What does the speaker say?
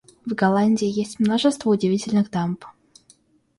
В Голландии есть множество удивительных дамб.